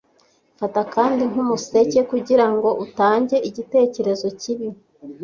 fata kandi nkumuseke kugirango utange igitekerezo kibi